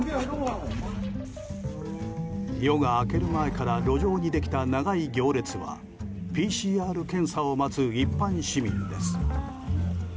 夜が明ける前から路上にできた長い行列はＰＣＲ検査を待つ一般市民です。